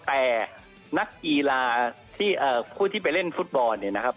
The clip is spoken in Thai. แต่นักกีฬาที่ผู้ที่ไปเล่นฟุตบอลเนี่ยนะครับ